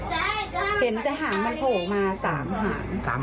เห็นแต่หางมันโผล่มา๓หาง